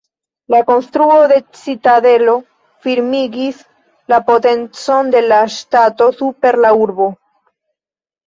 La konstruo de citadelo firmigis la potencon de la ŝtato super la urbo.